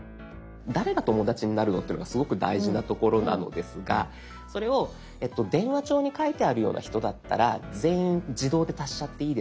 誰が友だちになるのっていうのがすごく大事なところなのですがそれを「電話帳に書いてあるような人だったら全員自動で足しちゃっていいですか？」